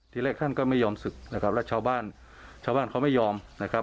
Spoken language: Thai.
ทีแรกท่านก็ไม่ยอมศึกนะครับแล้วชาวบ้านชาวบ้านเขาไม่ยอมนะครับ